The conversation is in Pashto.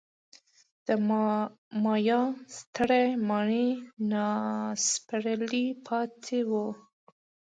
د مایا سترې ماڼۍ ناسپړلي پاتې وو.